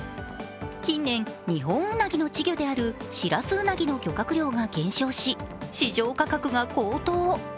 近年、ニホンウナギの稚魚であるシラスウナギの漁獲量が減少し市場価格が高騰。